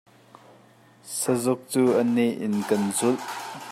Sazuk cu a neh in kan zulh.